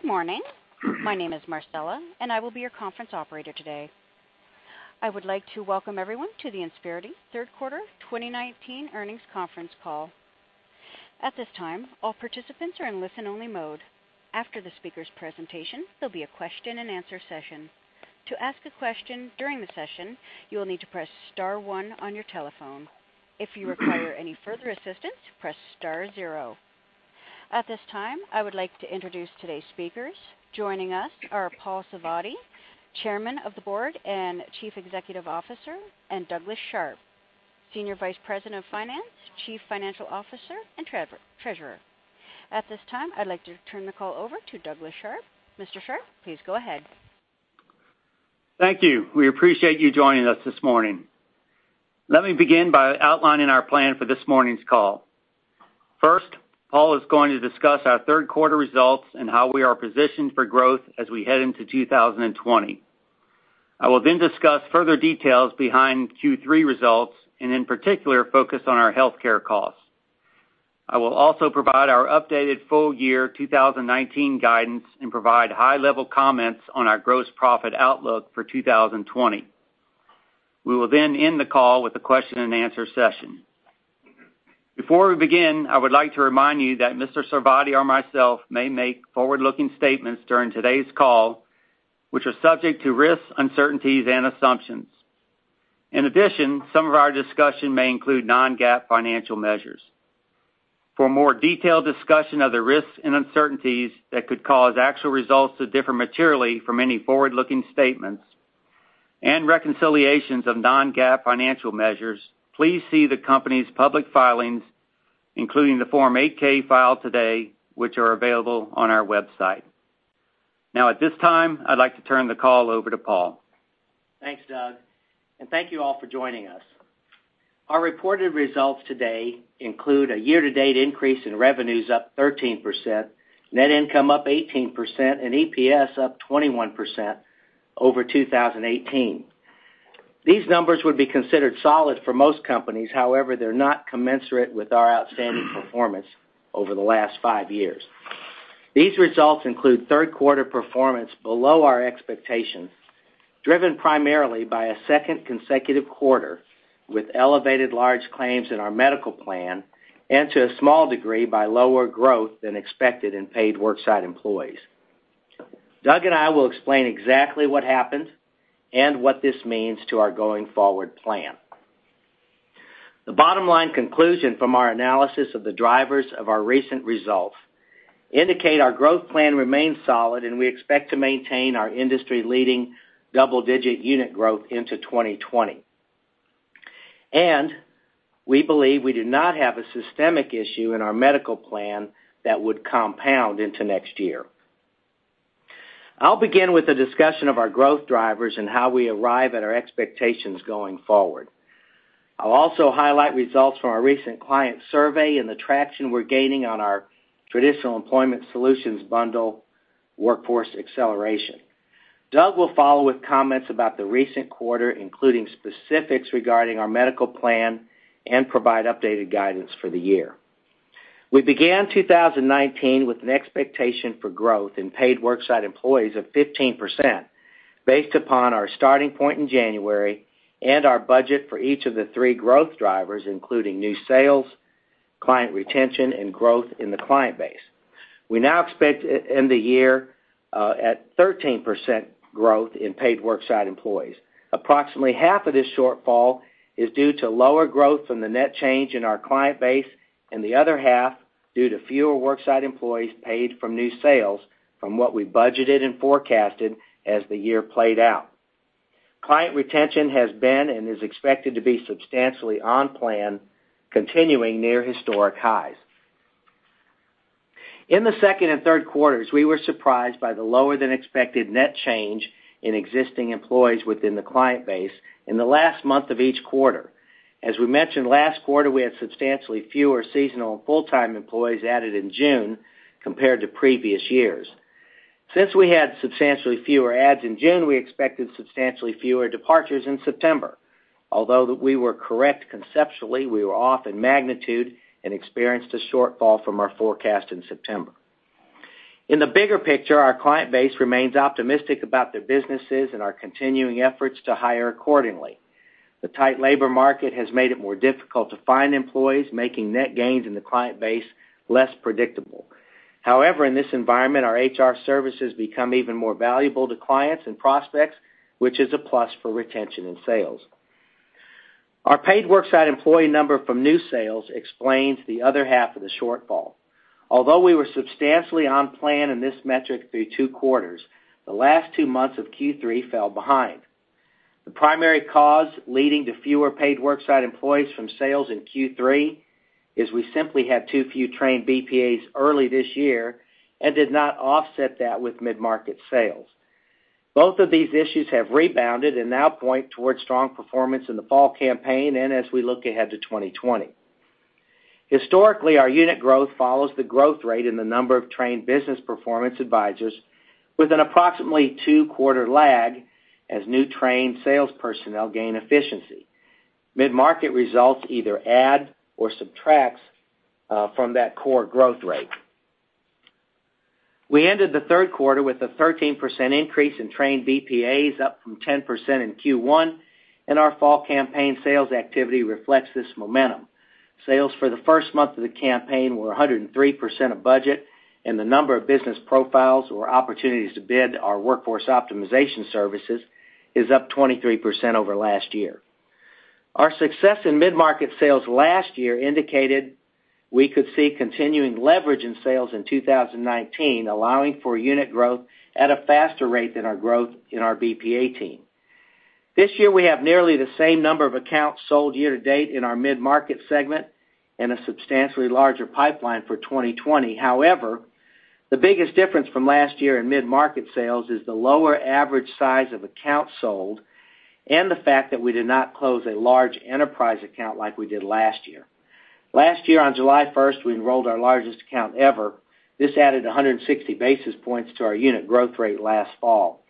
Good morning. My name is Marcella. I will be your conference operator today. I would like to welcome everyone to the Insperity Third Quarter 2019 Earnings Conference Call. At this time, all participants are in listen-only mode. After the speaker's presentation, there'll be a question and answer session. To ask a question during the session, you will need to press star one on your telephone. If you require any further assistance, press star zero. At this time, I would like to introduce today's speakers. Joining us are Paul Sarvadi, Chairman of the Board and Chief Executive Officer, and Douglas Sharp, Senior Vice President of Finance, Chief Financial Officer, and Treasurer. At this time, I'd like to turn the call over to Douglas Sharp. Mr. Sharp, please go ahead. Thank you. We appreciate you joining us this morning. Let me begin by outlining our plan for this morning's call. First, Paul is going to discuss our third quarter results and how we are positioned for growth as we head into 2020. I will then discuss further details behind Q3 results, and in particular, focus on our healthcare costs. I will also provide our updated full year 2019 guidance and provide high-level comments on our gross profit outlook for 2020. We will then end the call with a question and answer session. Before we begin, I would like to remind you that Mr. Sarvadi or myself may make forward-looking statements during today's call, which are subject to risks, uncertainties, and assumptions. In addition, some of our discussion may include non-GAAP financial measures. For a more detailed discussion of the risks and uncertainties that could cause actual results to differ materially from any forward-looking statements and reconciliations of non-GAAP financial measures, please see the company's public filings, including the Form 8-K filed today, which are available on our website. At this time, I'd like to turn the call over to Paul. Thanks, Doug, and thank you all for joining us. Our reported results today include a year-to-date increase in revenues up 13%, net income up 18%, and EPS up 21% over 2018. These numbers would be considered solid for most companies. However, they're not commensurate with our outstanding performance over the last five years. These results include third quarter performance below our expectations, driven primarily by a second consecutive quarter with elevated large claims in our medical plan and to a small degree by lower growth than expected in paid worksite employees. Doug and I will explain exactly what happened and what this means to our going forward plan. The bottom line conclusion from our analysis of the drivers of our recent results indicate our growth plan remains solid, and we expect to maintain our industry-leading double-digit unit growth into 2020. We believe we do not have a systemic issue in our medical plan that would compound into next year. I'll begin with a discussion of our growth drivers and how we arrive at our expectations going forward. I'll also highlight results from our recent client survey and the traction we're gaining on our traditional employment solutions bundle, Workforce Acceleration. Doug will follow with comments about the recent quarter, including specifics regarding our medical plan and provide updated guidance for the year. We began 2019 with an expectation for growth in paid worksite employees of 15% based upon our starting point in January and our budget for each of the three growth drivers, including new sales, client retention, and growth in the client base. We now expect to end the year at 13% growth in paid worksite employees. Approximately half of this shortfall is due to lower growth from the net change in our client base, and the other half due to fewer worksite employees paid from new sales from what we budgeted and forecasted as the year played out. Client retention has been and is expected to be substantially on plan, continuing near historic highs. In the second and third quarters, we were surprised by the lower than expected net change in existing employees within the client base in the last month of each quarter. As we mentioned last quarter, we had substantially fewer seasonal and full-time employees added in June compared to previous years. Since we had substantially fewer ads in June, we expected substantially fewer departures in September. Although we were correct conceptually, we were off in magnitude and experienced a shortfall from our forecast in September. In the bigger picture, our client base remains optimistic about their businesses and our continuing efforts to hire accordingly. The tight labor market has made it more difficult to find employees, making net gains in the client base less predictable. In this environment, our HR services become even more valuable to clients and prospects, which is a plus for retention and sales. Our paid worksite employee number from new sales explains the other half of the shortfall. We were substantially on plan in this metric through two quarters, the last two months of Q3 fell behind. The primary cause leading to fewer paid worksite employees from sales in Q3 is we simply had too few trained BPAs early this year and did not offset that with mid-market sales. Both of these issues have rebounded and now point towards strong performance in the fall campaign and as we look ahead to 2020. Historically, our unit growth follows the growth rate in the number of trained Business Performance Advisors with an approximately two-quarter lag as new trained sales personnel gain efficiency. Mid-market results either add or subtract from that core growth rate. We ended the third quarter with a 13% increase in trained BPAs, up from 10% in Q1, and our fall campaign sales activity reflects this momentum. Sales for the first month of the campaign were 103% of budget, and the number of business profiles or opportunities to bid our Workforce Optimization services is up 23% over last year. Our success in mid-market sales last year indicated we could see continuing leverage in sales in 2019, allowing for unit growth at a faster rate than our growth in our BPA team. This year, we have nearly the same number of accounts sold year to date in our mid-market segment and a substantially larger pipeline for 2020. However, the biggest difference from last year in mid-market sales is the lower average size of accounts sold and the fact that we did not close a large enterprise account like we did last year. Last year, on July 1st, we enrolled our largest account ever. This added 160 basis points to our unit growth rate last fall.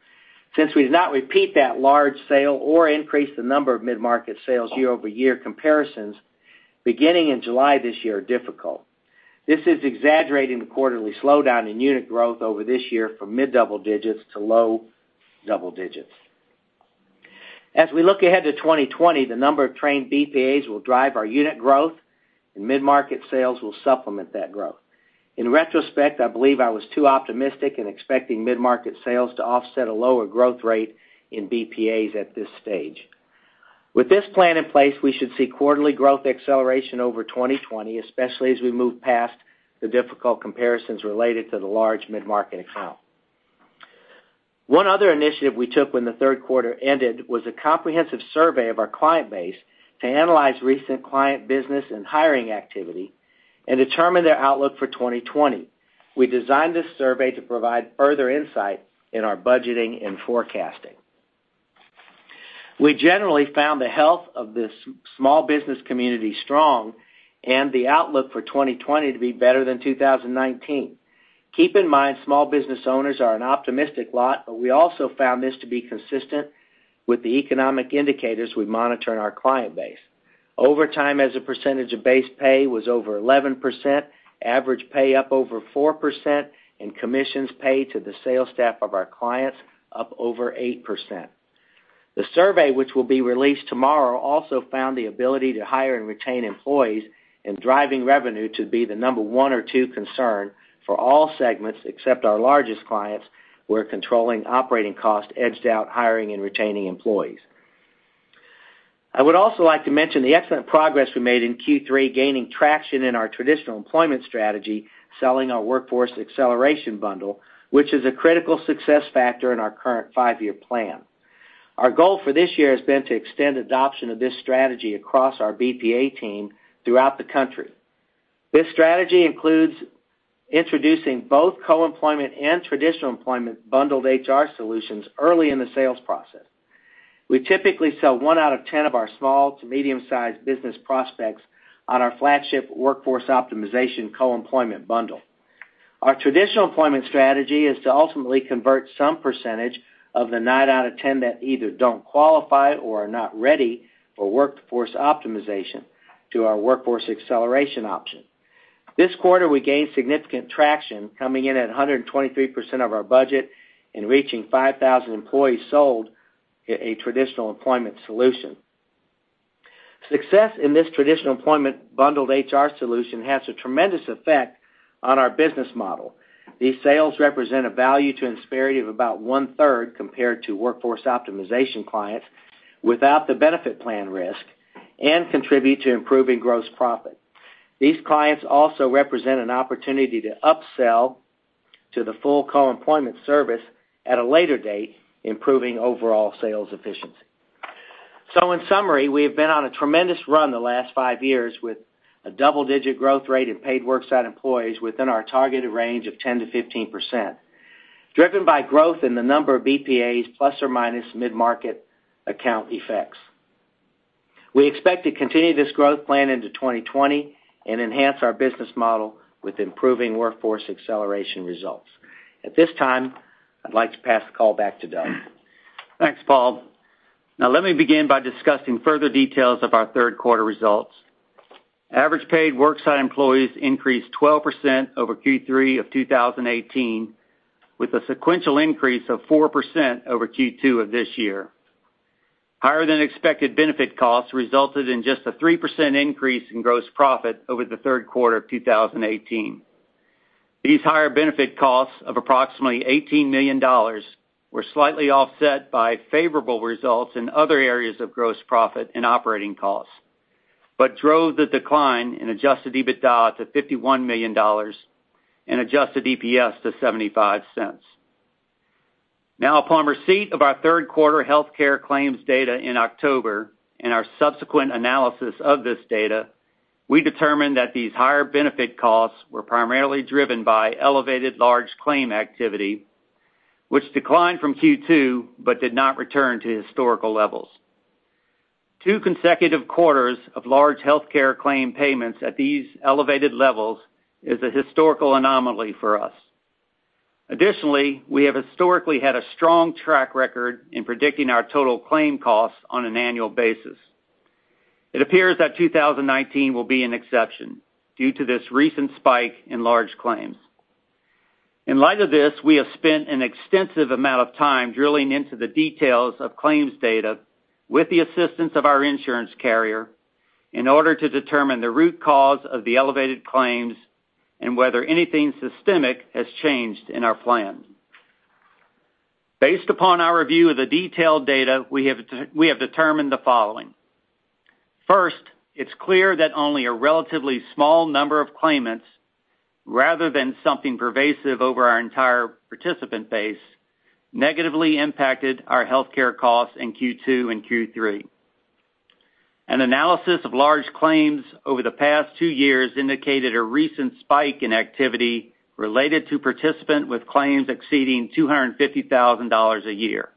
Since we did not repeat that large sale or increase the number of mid-market sales year-over-year comparisons, beginning in July this year are difficult. This is exaggerating the quarterly slowdown in unit growth over this year from mid-double digits to low double digits. As we look ahead to 2020, the number of trained BPAs will drive our unit growth, and mid-market sales will supplement that growth. In retrospect, I believe I was too optimistic in expecting mid-market sales to offset a lower growth rate in BPAs at this stage. With this plan in place, we should see quarterly growth acceleration over 2020, especially as we move past the difficult comparisons related to the large mid-market account. One other initiative we took when the third quarter ended was a comprehensive survey of our client base to analyze recent client business and hiring activity and determine their outlook for 2020. We designed this survey to provide further insight in our budgeting and forecasting. We generally found the health of the small business community strong and the outlook for 2020 to be better than 2019. Keep in mind, small business owners are an optimistic lot, but we also found this to be consistent with the economic indicators we monitor in our client base. Over time, as a percentage of base pay was over 11%, average pay up over 4%, and commissions paid to the sales staff of our clients up over 8%. The survey, which will be released tomorrow, also found the ability to hire and retain employees and driving revenue to be the number one or two concern for all segments except our largest clients, where controlling operating costs edged out hiring and retaining employees. I would also like to mention the excellent progress we made in Q3 gaining traction in our traditional employment strategy, selling our Workforce Acceleration bundle, which is a critical success factor in our current five-year plan. Our goal for this year has been to extend adoption of this strategy across our BPA team throughout the country. This strategy includes introducing both co-employment and traditional employment bundled HR solutions early in the sales process. We typically sell one out of 10 of our small to medium-sized business prospects on our flagship Workforce Optimization co-employment bundle. Our traditional employment strategy is to ultimately convert some percentage of the nine out of 10 that either don't qualify or are not ready for Workforce Optimization to our Workforce Acceleration option. This quarter, we gained significant traction coming in at 123% of our budget and reaching 5,000 employees sold a traditional employment solution. Success in this traditional employment bundled HR solution has a tremendous effect on our business model. These sales represent a value to Insperity of about 1/3 compared to Workforce Optimization clients without the benefit plan risk and contribute to improving gross profit. These clients also represent an opportunity to upsell to the full co-employment service at a later date, improving overall sales efficiency. In summary, we have been on a tremendous run the last five years with a double-digit growth rate in paid worksite employees within our targeted range of 10%-15%, driven by growth in the number of BPAs plus or minus mid-market account effects. We expect to continue this growth plan into 2020 and enhance our business model with improving Workforce Acceleration results. At this time, I'd like to pass the call back to Doug. Thanks, Paul. Now let me begin by discussing further details of our third quarter results. Average paid worksite employees increased 12% over Q3 of 2018, with a sequential increase of 4% over Q2 of this year. Higher than expected benefit costs resulted in just a 3% increase in gross profit over the third quarter of 2018. These higher benefit costs of approximately $18 million were slightly offset by favorable results in other areas of gross profit and operating costs, but drove the decline in adjusted EBITDA to $51 million and adjusted EPS to $0.75. Now, upon receipt of our third quarter healthcare claims data in October and our subsequent analysis of this data, we determined that these higher benefit costs were primarily driven by elevated large claim activity, which declined from Q2 but did not return to historical levels. Two consecutive quarters of large healthcare claim payments at these elevated levels is a historical anomaly for us. Additionally, we have historically had a strong track record in predicting our total claim costs on an annual basis. It appears that 2019 will be an exception due to this recent spike in large claims. In light of this, we have spent an extensive amount of time drilling into the details of claims data with the assistance of our insurance carrier in order to determine the root cause of the elevated claims and whether anything systemic has changed in our plan. Based upon our review of the detailed data, we have determined the following. First, it is clear that only a relatively small number of claimants, rather than something pervasive over our entire participant base, negatively impacted our healthcare costs in Q2 and Q3. An analysis of large claims over the past two years indicated a recent spike in activity related to participants with claims exceeding $250,000 a year.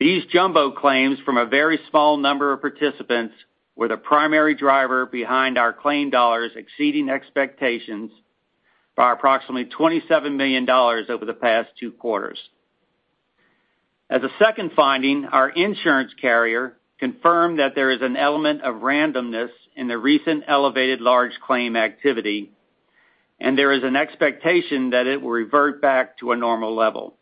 These jumbo claims from a very small number of participants were the primary driver behind our claim dollars exceeding expectations by approximately $27 million over the past two quarters. As a second finding, our insurance carrier confirmed that there is an element of randomness in the recent elevated large claim activity, and there is an expectation that it will revert back to a normal level.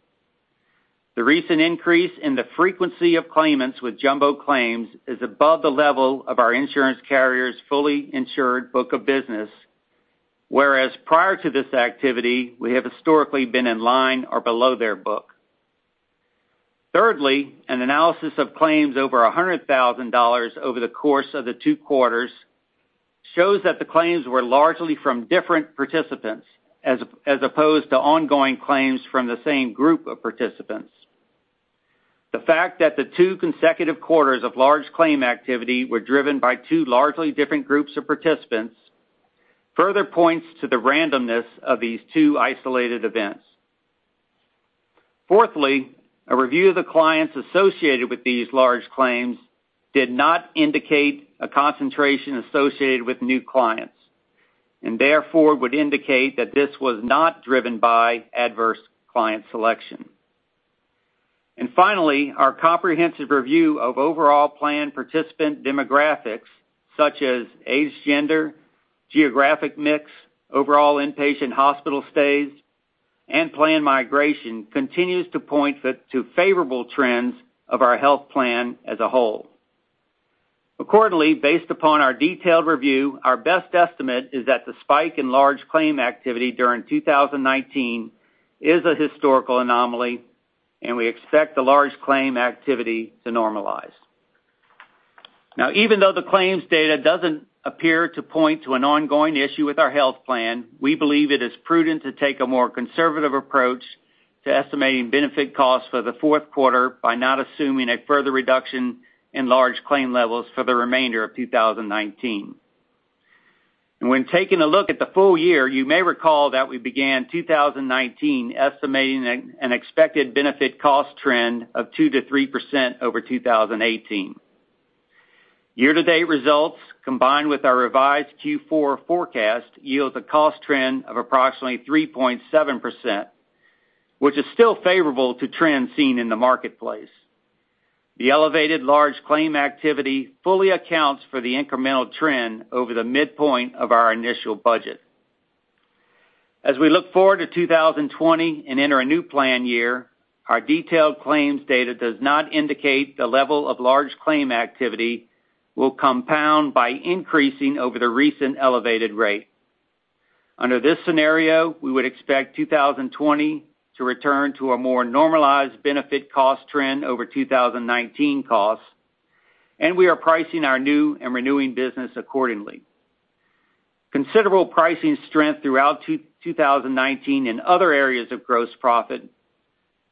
The recent increase in the frequency of claimants with jumbo claims is above the level of our insurance carrier's fully insured book of business, whereas prior to this activity, we have historically been in line or below their book. Thirdly, an analysis of claims over $100,000 over the course of the two quarters shows that the claims were largely from different participants as opposed to ongoing claims from the same group of participants. The fact that the two consecutive quarters of large claim activity were driven by two largely different groups of participants further points to the randomness of these two isolated events. Fourthly, a review of the clients associated with these large claims did not indicate a concentration associated with new clients, and therefore would indicate that this was not driven by adverse client selection. Finally, our comprehensive review of overall plan participant demographics such as age, gender, geographic mix, overall inpatient hospital stays, and plan migration continues to point to favorable trends of our health plan as a whole. Accordingly, based upon our detailed review, our best estimate is that the spike in large claim activity during 2019 is a historical anomaly, and we expect the large claim activity to normalize. Even though the claims data doesn't appear to point to an ongoing issue with our health plan, we believe it is prudent to take a more conservative approach to estimating benefit costs for the fourth quarter by not assuming a further reduction in large claim levels for the remainder of 2019. When taking a look at the full year, you may recall that we began 2019 estimating an expected benefit cost trend of 2%-3% over 2018. Year-to-date results, combined with our revised Q4 forecast, yields a cost trend of approximately 3.7%, which is still favorable to trends seen in the marketplace. The elevated large claim activity fully accounts for the incremental trend over the midpoint of our initial budget. As we look forward to 2020 and enter a new plan year, our detailed claims data does not indicate the level of large claim activity will compound by increasing over the recent elevated rate. Under this scenario, we would expect 2020 to return to a more normalized benefit cost trend over 2019 costs, and we are pricing our new and renewing business accordingly. Considerable pricing strength throughout 2019 in other areas of gross profit,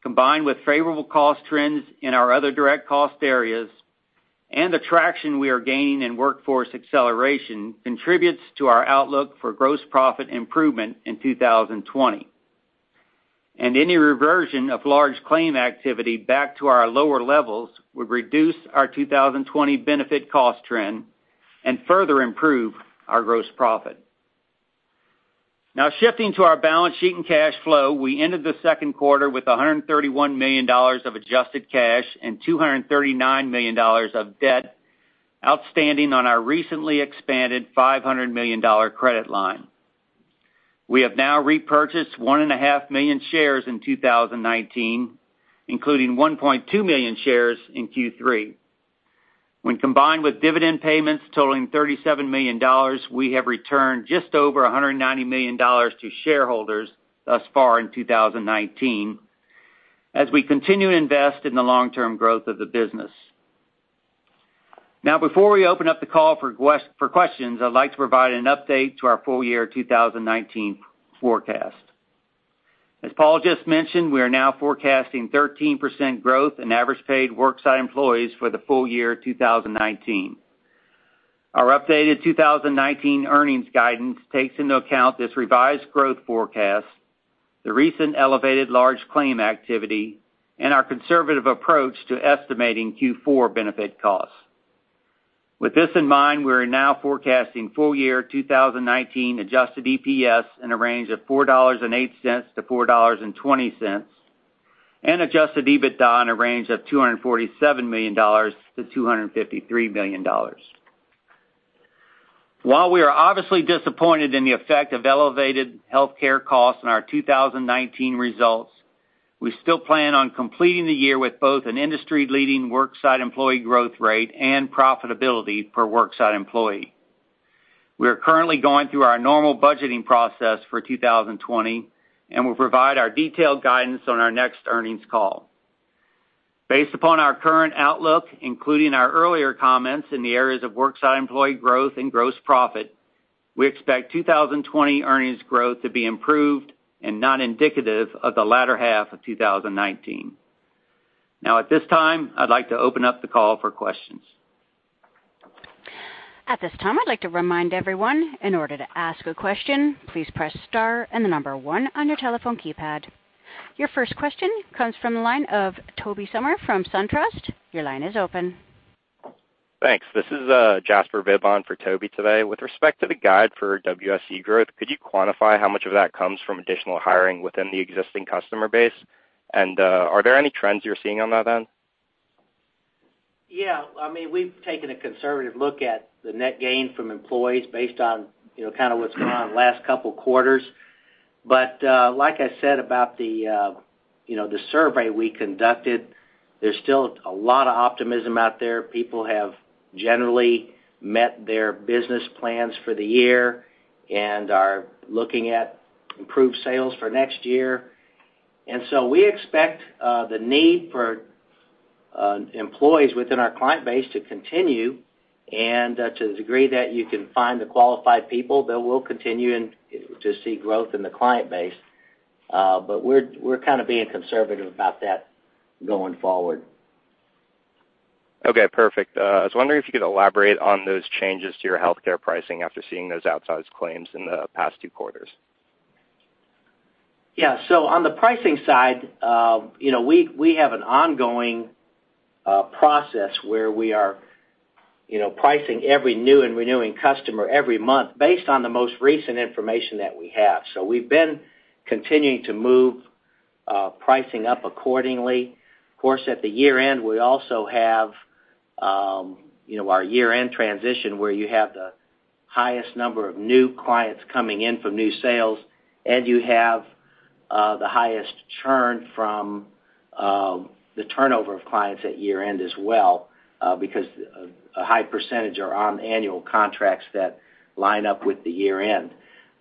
combined with favorable cost trends in our other direct cost areas and the traction we are gaining in Workforce Acceleration, contributes to our outlook for gross profit improvement in 2020. Any reversion of large claim activity back to our lower levels would reduce our 2020 benefit cost trend and further improve our gross profit. Shifting to our balance sheet and cash flow, we ended the second quarter with $131 million of adjusted cash and $239 million of debt outstanding on our recently expanded $500 million credit line. We have now repurchased 1.5 million shares in 2019, including 1.2 million shares in Q3. When combined with dividend payments totaling $37 million, we have returned just over $190 million to shareholders thus far in 2019 as we continue to invest in the long-term growth of the business. Before we open up the call for questions, I'd like to provide an update to our full year 2019 forecast. As Paul just mentioned, we are now forecasting 13% growth in average paid worksite employees for the full year 2019. Our updated 2019 earnings guidance takes into account this revised growth forecast, the recent elevated large claim activity, and our conservative approach to estimating Q4 benefit costs. With this in mind, we're now forecasting full-year 2019 adjusted EPS in a range of $4.08-$4.20, and adjusted EBITDA in a range of $247 million-$253 million. We are obviously disappointed in the effect of elevated healthcare costs on our 2019 results, we still plan on completing the year with both an industry-leading worksite employee growth rate and profitability per worksite employee. We are currently going through our normal budgeting process for 2020, and we'll provide our detailed guidance on our next earnings call. Based upon our current outlook, including our earlier comments in the areas of worksite employee growth and gross profit, we expect 2020 earnings growth to be improved and not indicative of the latter half of 2019. At this time, I'd like to open up the call for questions. At this time, I'd like to remind everyone, in order to ask a question, please press star and the number one on your telephone keypad. Your first question comes from the line of Tobey Sommer from SunTrust. Your line is open. Thanks. This is Jasper Bibb for Tobey today. With respect to the guide for WSE growth, could you quantify how much of that comes from additional hiring within the existing customer base? Are there any trends you're seeing on that end? Yeah. We've taken a conservative look at the net gain from employees based on what's gone on the last couple of quarters. Like I said about the survey we conducted, there's still a lot of optimism out there. People have generally met their business plans for the year and are looking at improved sales for next year. We expect the need for employees within our client base to continue, to the degree that you can find the qualified people, we'll continue to see growth in the client base. We're being conservative about that going forward. Okay, perfect. I was wondering if you could elaborate on those changes to your healthcare pricing after seeing those outsized claims in the past two quarters? Yeah. On the pricing side, we have an ongoing process where we are pricing every new and renewing customer every month based on the most recent information that we have. We've been continuing to move pricing up accordingly. Of course, at the year-end, we also have our year-end transition, where you have the highest number of new clients coming in from new sales, and you have the highest churn from the turnover of clients at year-end as well because a high percentage are on annual contracts that line up with the year-end.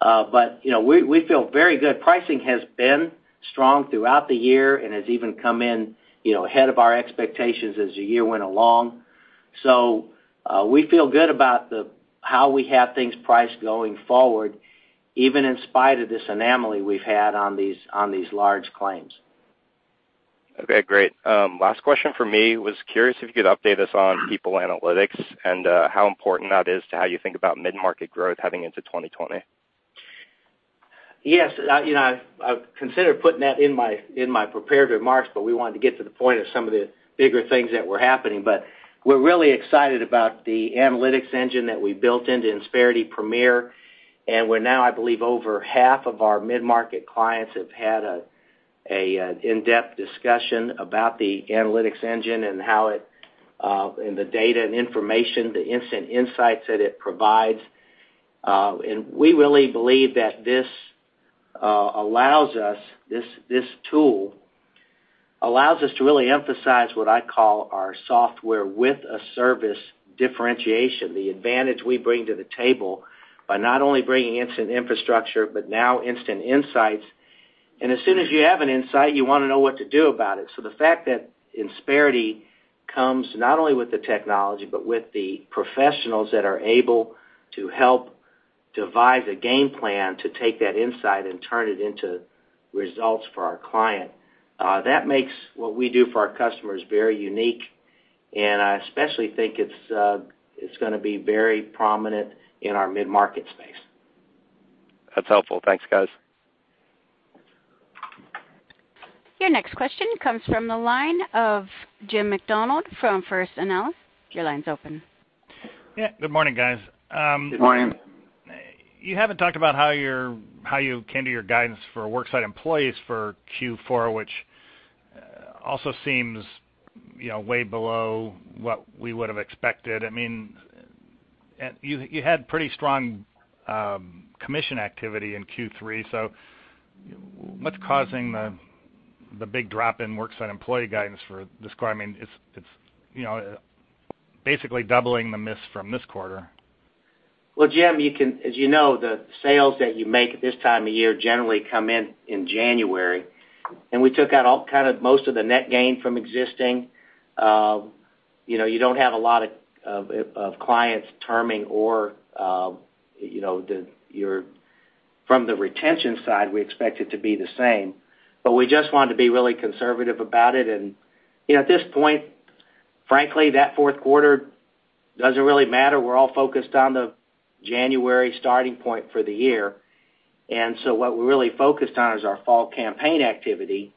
We feel very good. Pricing has been strong throughout the year and has even come in ahead of our expectations as the year went along. We feel good about how we have things priced going forward, even in spite of this anomaly we've had on these large claims. Okay, great. Last question from me, I was curious if you could update us on people analytics and how important that is to how you think about mid-market growth heading into 2020. Yes. I've considered putting that in my prepared remarks, but we wanted to get to the point of some of the bigger things that were happening, but we're really excited about the analytics engine that we built into Insperity Premier. We're now, I believe, over half of our mid-market clients have had an in-depth discussion about the analytics engine and the data and information, the instant insights that it provides. We really believe that this tool allows us to really emphasize what I call our software with a service differentiation. The advantage we bring to the table by not only bringing instant infrastructure but now instant insights. As soon as you have an insight, you want to know what to do about it. The fact that Insperity comes not only with the technology but with the professionals that are able to help devise a game plan to take that insight and turn it into results for our client, that makes what we do for our customers very unique. I especially think it's going to be very prominent in our mid-market space. That's helpful. Thanks, guys. Your next question comes from the line of Jim Macdonald from First Analysis. Your line's open. Yeah. Good morning, guys. Good morning. You haven't talked about how you came to your guidance for worksite employees for Q4, which also seems way below what we would've expected. You had pretty strong commission activity in Q3, what's causing the big drop in worksite employee guidance for this quarter? It's basically doubling the miss from this quarter. Well, Jim, as you know, the sales that you make at this time of year generally come in in January, and we took out most of the net gain from existing. You don't have a lot of clients terming or from the retention side, we expect it to be the same. We just wanted to be really conservative about it. At this point, frankly, that fourth quarter doesn't really matter. We're all focused on the January starting point for the year. What we're really focused on is our fall campaign activity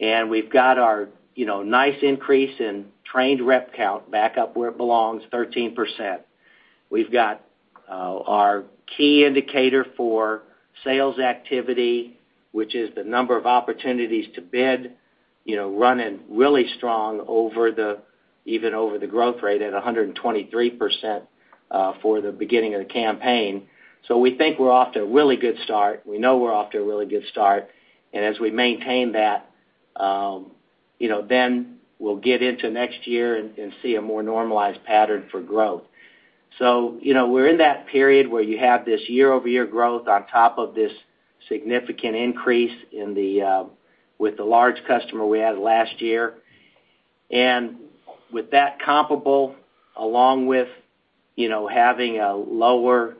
We've got our nice increase in trained rep count back up where it belongs, 13%. We've got our key indicator for sales activity, which is the number of opportunities to bid, running really strong even over the growth rate at 123% for the beginning of the campaign. We think we're off to a really good start. We know we're off to a really good start, and as we maintain that, then we'll get into next year and see a more normalized pattern for growth. We're in that period where you have this year-over-year growth on top of this significant increase with the large customer we had last year. With that comparable, along with having a lower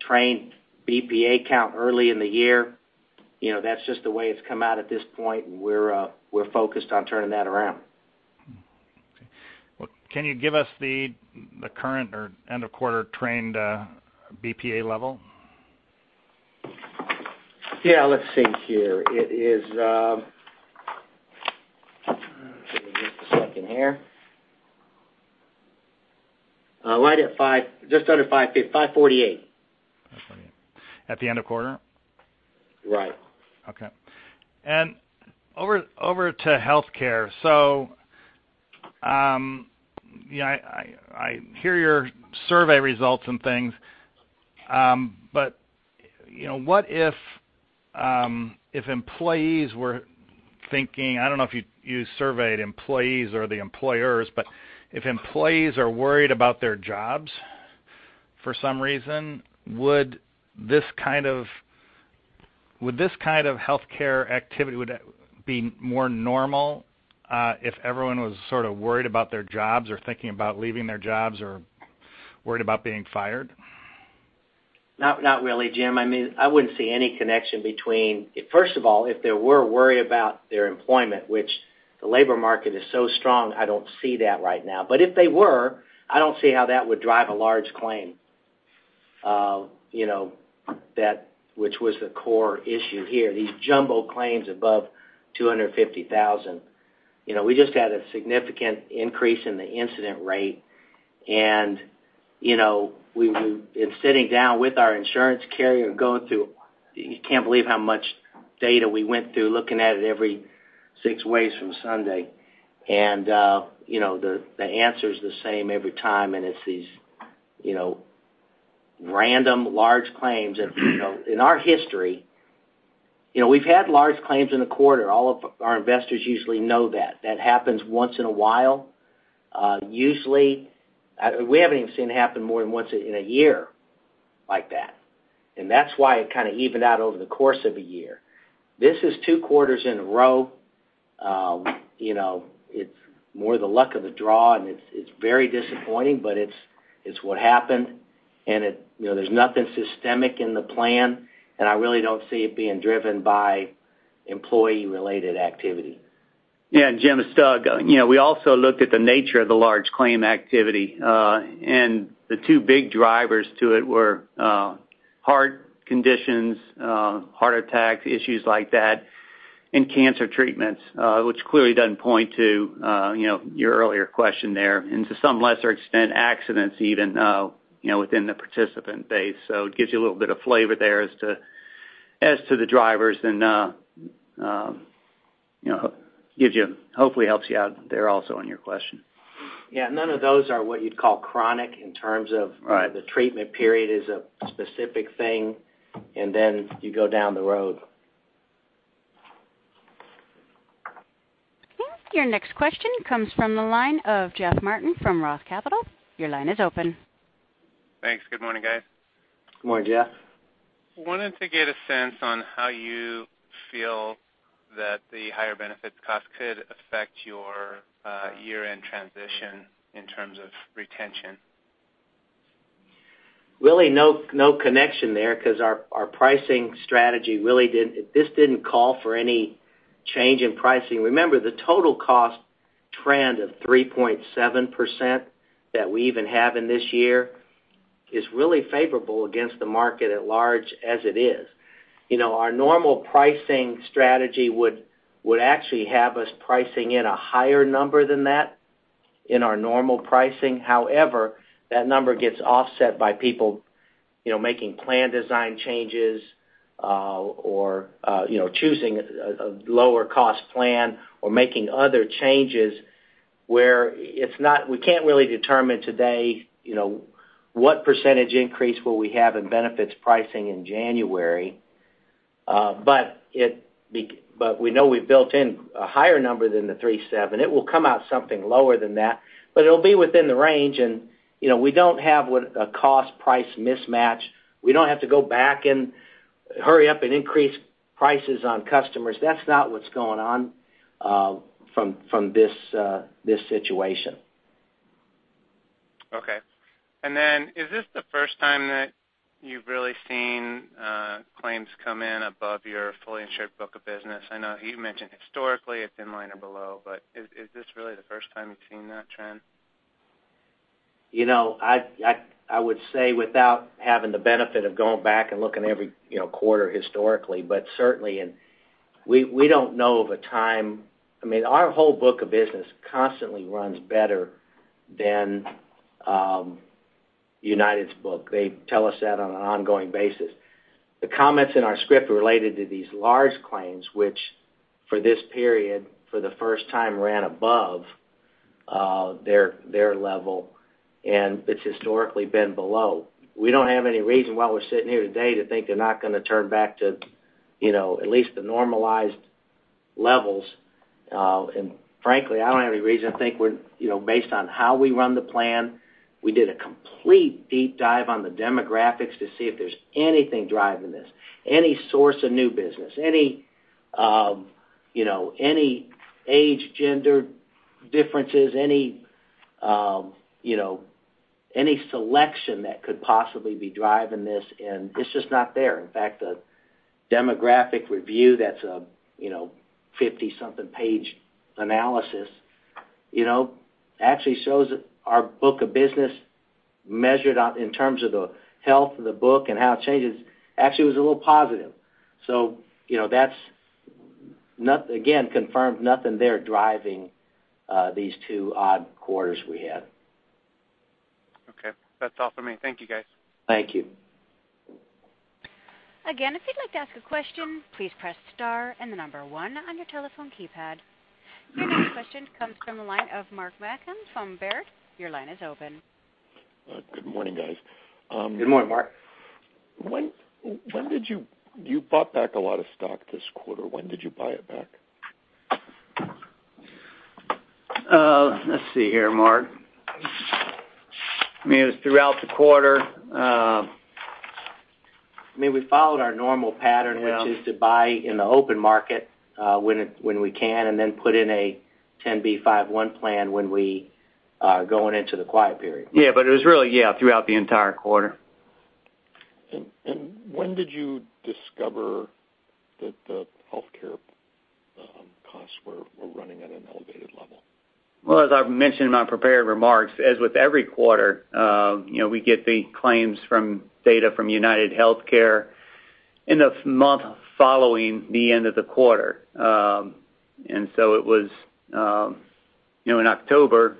trained BPA count early in the year, that's just the way it's come out at this point, and we're focused on turning that around. Okay. Well, can you give us the current or end of quarter trained BPA level? Yeah, let's see here. Give me just a second here. Right at just under $548. At the end of quarter? Right. Okay. Over to healthcare. I hear your survey results and things, but what if employees were thinking I don't know if you surveyed employees or the employers, but if employees are worried about their jobs for some reason, would this kind of healthcare activity be more normal if everyone was sort of worried about their jobs or thinking about leaving their jobs or worried about being fired? Not really, Jim. I wouldn't see any connection. First of all, if they were worried about their employment, which the labor market is so strong, I don't see that right now. If they were, I don't see how that would drive a large claim, which was the core issue here, these jumbo claims above $250,000. We just had a significant increase in the incident rate, and in sitting down with our insurance carrier, going through. You can't believe how much data we went through, looking at it every six ways from Sunday. The answer's the same every time, and it's these random large claims. In our history, we've had large claims in a quarter. All of our investors usually know that. That happens once in a while. Usually, we haven't even seen it happen more than once in a year like that, and that's why it kind of evened out over the course of a year. This is two quarters in a row. It's more the luck of the draw, and it's very disappointing, but it's what happened. There's nothing systemic in the plan, and I really don't see it being driven by employee-related activity. Jim, it's Doug. We also looked at the nature of the large claim activity. The two big drivers to it were heart conditions, heart attacks, issues like that, and cancer treatments, which clearly doesn't point to your earlier question there. To some lesser extent, accidents even, within the participant base. It gives you a little bit of flavor there as to the drivers and hopefully helps you out there also on your question. Yeah, none of those are what you'd call chronic in terms of- Right the treatment period is a specific thing, and then you go down the road. Your next question comes from the line of Jeff Martin from Roth Capital. Your line is open. Thanks. Good morning, guys. Good morning, Jeff. wanted to get a sense on how you feel that the higher benefits cost could affect your year-end transition in terms of retention? No connection there because our pricing strategy really, this didn't call for any change in pricing. Remember, the total cost trend of 3.7% that we even have in this year is really favorable against the market at large as it is. Our normal pricing strategy would actually have us pricing in a higher number than that in our normal pricing. However, that number gets offset by people making plan design changes, or choosing a lower cost plan or making other changes where we can't really determine today what percentage increase will we have in benefits pricing in January. We know we've built in a higher number than the 3.7%. It will come out something lower than that, but it'll be within the range. We don't have a cost price mismatch. We don't have to go back and hurry up and increase prices on customers. That's not what's going on from this situation. Okay. Is this the first time that you've really seen claims come in above your fully insured book of business? I know you mentioned historically it's been line or below, is this really the first time you've seen that trend? I would say, without having the benefit of going back and looking at every quarter historically, but certainly, we don't know of a time Our whole book of business constantly runs better than UnitedHealthcare's book. They tell us that on an ongoing basis. The comments in our script related to these large claims, which for this period, for the first time, ran above their level, and it's historically been below. We don't have any reason why we're sitting here today to think they're not going to turn back to at least the normalized levels. Frankly, I don't have any reason. Based on how we run the plan, we did a complete deep dive on the demographics to see if there's anything driving this, any source of new business, any age, gender differences, any selection that could possibly be driving this, and it's just not there. In fact, the demographic review, that's a 50-something page analysis, actually shows that our book of business measured out in terms of the health of the book and how it changes, actually was a little positive. That, again, confirms nothing there driving these two odd quarters we had. Okay. That's all for me. Thank you, guys. Thank you. Again, if you'd like to ask a question, please press star and one on your telephone keypad. Your next question comes from the line of Mark Marcon from Baird. Your line is open. Good morning, guys. Good morning, Mark. You bought back a lot of stock this quarter. When did you buy it back? Let's see here, Mark. It was throughout the quarter. We followed our normal pattern, which is to buy in the open market when we can, and then put in a 10b5-1 plan when we are going into the quiet period. Yeah. It was really throughout the entire quarter. When did you discover that the healthcare costs were running at an elevated level? As I've mentioned in my prepared remarks, as with every quarter, we get the claims data from UnitedHealthcare in the month following the end of the quarter. It was in October.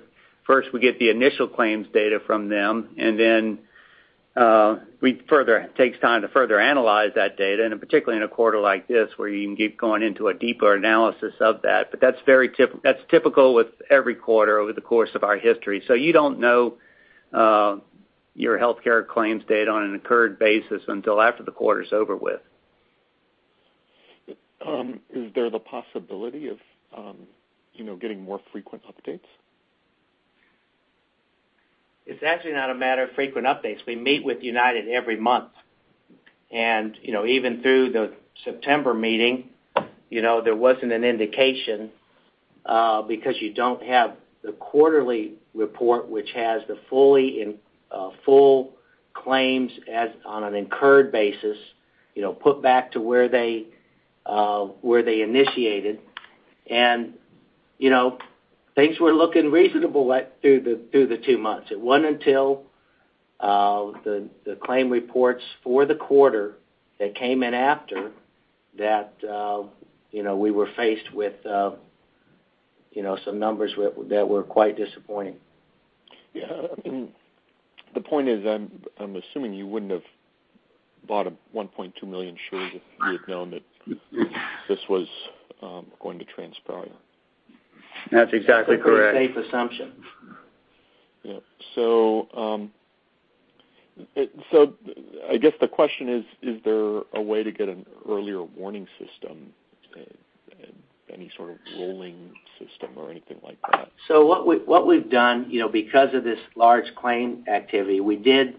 First, we get the initial claims data from them, it takes time to further analyze that data, particularly in a quarter like this, where you can keep going into a deeper analysis of that. That's typical with every quarter over the course of our history. You don't know your healthcare claims data on an incurred basis until after the quarter's over with. Is there the possibility of getting more frequent updates? It's actually not a matter of frequent updates. We meet with United every month. Even through the September meeting, there wasn't an indication because you don't have the quarterly report, which has the full claims on an incurred basis, put back to where they initiated. Things were looking reasonable through the two months. It wasn't until the claim reports for the quarter that came in after that we were faced with some numbers that were quite disappointing. Yeah. The point is, I'm assuming you wouldn't have bought 1.2 million shares if you had known that this was going to transpire. That's exactly correct. It's a pretty safe assumption. Yep. I guess the question is there a way to get an earlier warning system, any sort of rolling system or anything like that? What we've done, because of this large claim activity, we did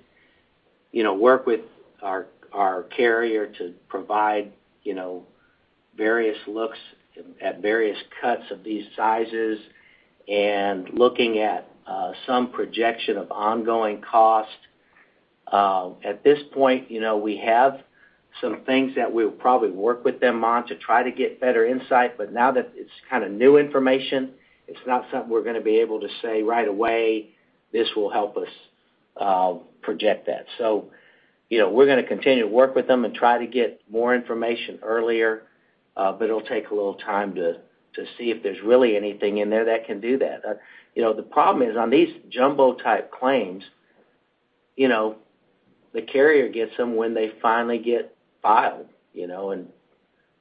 work with our carrier to provide various looks at various cuts of these sizes and looking at some projection of ongoing cost. At this point, we have some things that we'll probably work with them on to try to get better insight, but now that it's new information, it's not something we're going to be able to say right away, this will help us project that. We're going to continue to work with them and try to get more information earlier, but it'll take a little time to see if there's really anything in there that can do that. The problem is, on these jumbo type claims, the carrier gets them when they finally get filed.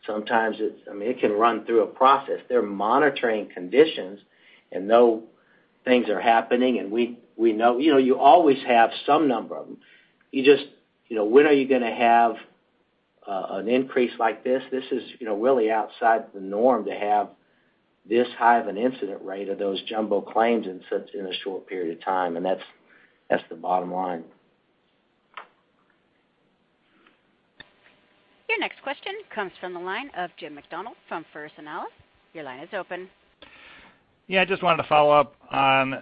Sometimes it can run through a process. They're monitoring conditions and know things are happening, and you always have some number of them. When are you going to have an increase like this? This is really outside the norm to have this high of an incident rate of those jumbo claims in a short period of time, and that's the bottom line. Your next question comes from the line of Jim Macdonald from First Analysis. Your line is open. Yeah. I just wanted to follow up on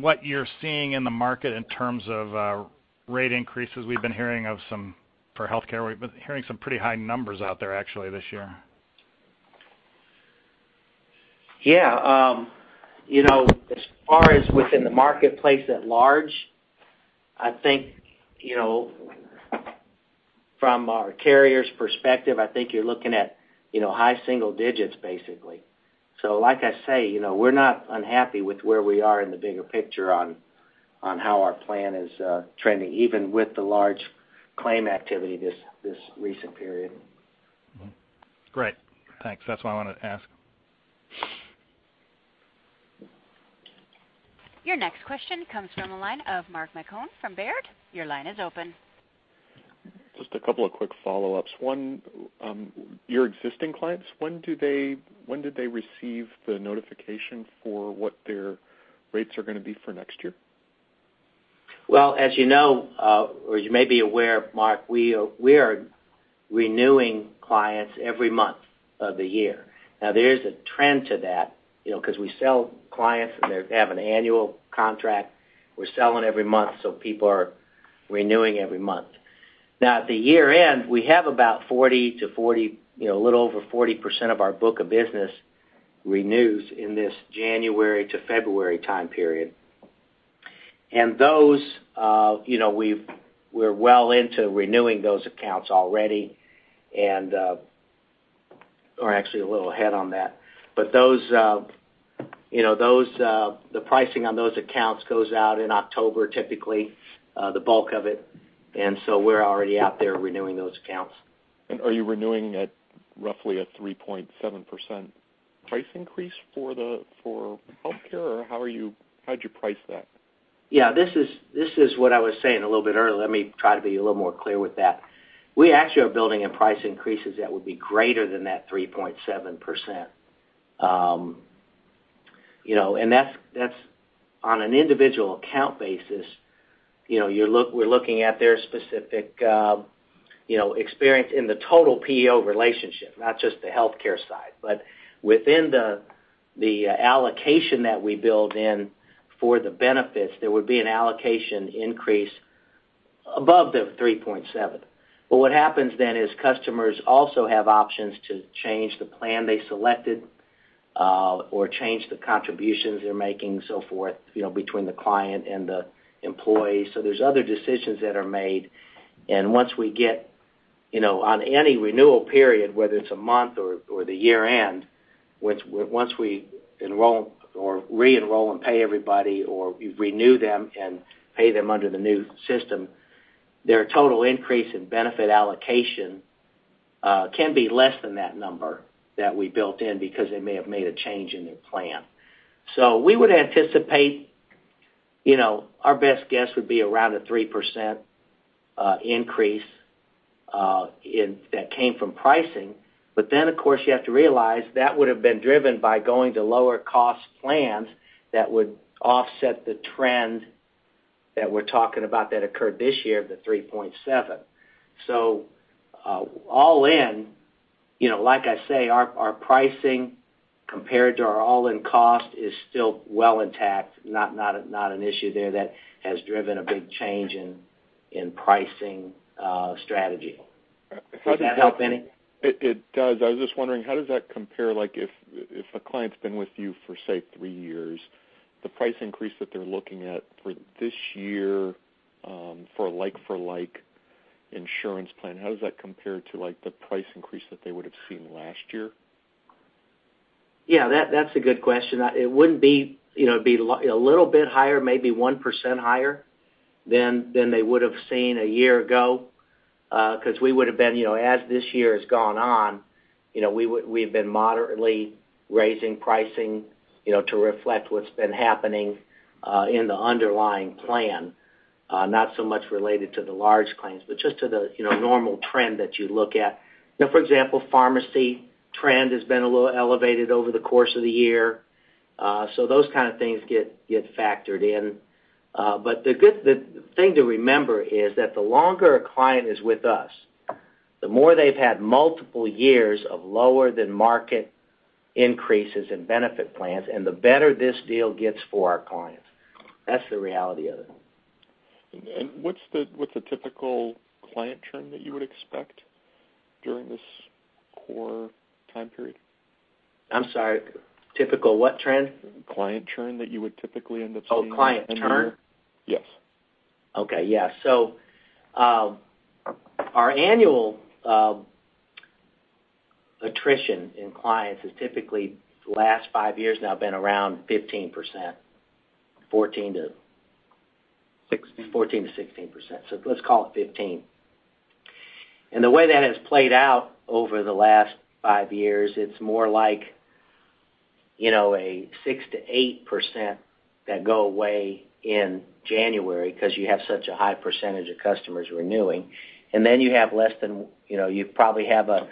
what you're seeing in the market in terms of rate increases. We've been hearing of some for healthcare. We've been hearing some pretty high numbers out there actually this year. Yeah. As far as within the marketplace at large, I think, from our carrier's perspective, I think you're looking at high single digits, basically. Like I say, we're not unhappy with where we are in the bigger picture on how our plan is trending, even with the large claim activity this recent period. Great. Thanks. That's what I wanted to ask. Your next question comes from the line of Mark Marcon from Baird. Your line is open. Just a couple of quick follow-ups. One, your existing clients, when did they receive the notification for what their rates are going to be for next year? Well, as you know, or you may be aware, Mark, we are renewing clients every month of the year. There is a trend to that, because we sell clients and they have an annual contract. We're selling every month, so people are renewing every month. At the year-end, we have about 40 to a little over 40% of our book of business renews in this January to February time period. Those, we're well into renewing those accounts already and are actually a little ahead on that. The pricing on those accounts goes out in October, typically, the bulk of it. We're already out there renewing those accounts. Are you renewing at roughly a 3.7% price increase for healthcare, or how'd you price that? Yeah, this is what I was saying a little bit earlier. Let me try to be a little more clear with that. We actually are building in price increases that would be greater than that 3.7%. That's on an individual account basis. We're looking at their specific experience in the total PEO relationship, not just the healthcare side. Within the allocation that we build in for the benefits, there would be an allocation increase above the 3.7%. What happens then is customers also have options to change the plan they selected or change the contributions they're making, so forth, between the client and the employee. There's other decisions that are made, and once we get on any renewal period, whether it's a month or the year-end, once we enroll or re-enroll and pay everybody, or we renew them and pay them under the new system, their total increase in benefit allocation can be less than that number that we built in because they may have made a change in their plan. We would anticipate our best guess would be around a 3% increase that came from pricing. Of course, you have to realize that would've been driven by going to lower cost plans that would offset the trend that we're talking about that occurred this year of the 3.7. All in, like I say, our pricing compared to our all-in cost is still well intact, not an issue there that has driven a big change in pricing strategy. Does that help any? It does. I was just wondering, how does that compare, like, if a client's been with you for, say, three years, the price increase that they're looking at for this year for like insurance plan, how does that compare to the price increase that they would have seen last year? Yeah, that's a good question. It'd be a little bit higher, maybe 1% higher than they would have seen a year ago, because we would have been, as this year has gone on, we've been moderately raising pricing to reflect what's been happening in the underlying plan. Not so much related to the large claims, but just to the normal trend that you look at. For example, pharmacy trend has been a little elevated over the course of the year. Those kind of things get factored in. The thing to remember is that the longer a client is with us, the more they've had multiple years of lower than market increases in benefit plans, and the better this deal gets for our clients. That's the reality of it. What's the typical client churn that you would expect during this core time period? I'm sorry, typical what trend? Client churn that you would typically end up seeing in a year. Oh, client churn? Yes. Okay. Yeah. Our annual attrition in clients has typically, the last five years now, been around 15%, 14%-16%. Let's call it 15. The way that has played out over the last five years, it's more like a 6%-8% that go away in January because you have such a high percentage of customers renewing, and then you probably have a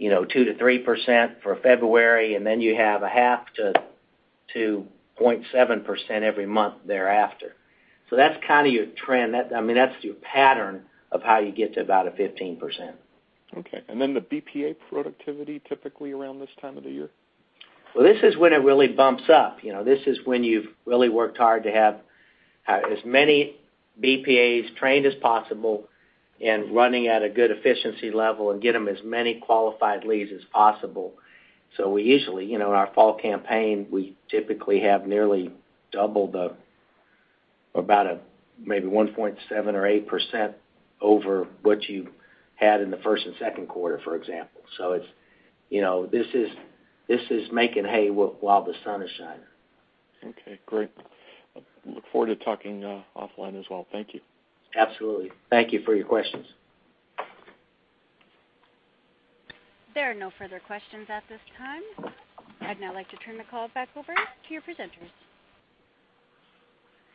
2%-3% for February, and then you have a 0.5%-0.7% every month thereafter. That's your trend. That's your pattern of how you get to about a 15%. Okay. Then the BPA productivity, typically around this time of the year? Well, this is when it really bumps up. This is when you've really worked hard to have as many BPAs trained as possible and running at a good efficiency level, and get them as many qualified leads as possible. We usually, our fall campaign, we typically have nearly double the, about maybe 1.7% or 8% over what you had in the first and second quarter, for example. This is making hay while the sun is shining. Okay, great. Look forward to talking offline as well. Thank you. Absolutely. Thank you for your questions. There are no further questions at this time. I'd now like to turn the call back over to your presenters.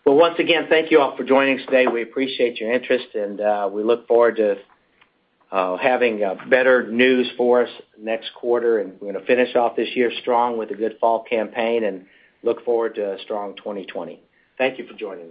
Well, once again, thank you all for joining us today. We appreciate your interest, and we look forward to having better news for us next quarter. We're going to finish off this year strong with a good fall campaign and look forward to a strong 2020. Thank you for joining us.